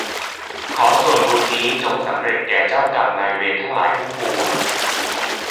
ขอส่วนบุญนี้จงสำเร็จแก่เจ้ากรรมนายเวรทั้งหลายทั้งปวง